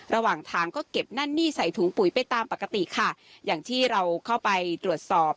ระหว่างทางก็เก็บนั่นหนี้ใส่ถุงปุ๋ยไปตามปกติค่ะอย่างที่เราเข้าไปตรวจสอบ